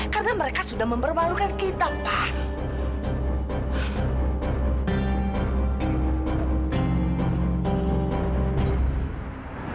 karena mereka sudah mempermalukan kita pak